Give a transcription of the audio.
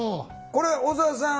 これ小沢さん